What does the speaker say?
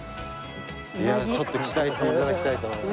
いやちょっと期待して頂きたいと思います。